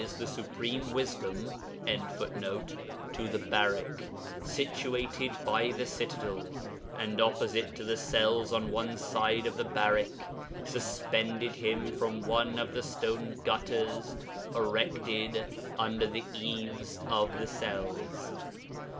the Supreme Wisdom.] to the barrack, situated by the citadel, and, opposite to the cells on one side of the barrack, suspended him from one of the stone gutters erected under the eaves of the cells.